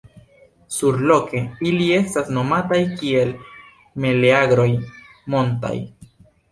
Surloke ili estas nomataj kiel meleagroj “montaj”.